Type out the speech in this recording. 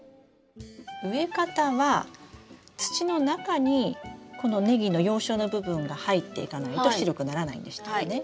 植え方は土の中にこのネギの葉鞘の部分が入っていかないと白くならないんでしたよね？